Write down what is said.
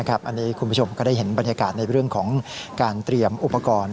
อันนี้คุณผู้ชมก็ได้เห็นบรรยากาศในเรื่องของการเตรียมอุปกรณ์